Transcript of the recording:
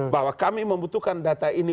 bahwa kami membutuhkan data ini